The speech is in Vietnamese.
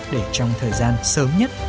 để trong thời gian sớm nhất